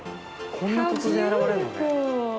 こんな突然現れるのね。